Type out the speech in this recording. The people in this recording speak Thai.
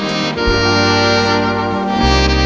รักทั้งหมุนทั้งหมุน